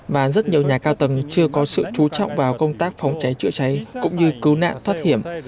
mà rất nhiều nhà cao tầng chưa có sự chú trọng vào công tác phòng cháy chữa cháy cũng như cứu nạn thoát hiểm